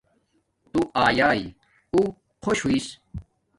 تو ایاݵ اُو خوش ہس